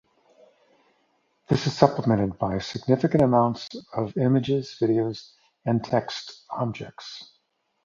This is supplemented by significant amounts of images, videos and text objects.